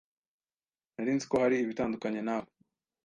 Nari nzi ko hari ibitandukanye nawe.